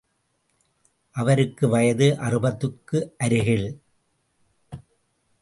அவருக்கு வயது அறுபதுக்கு அருகில்.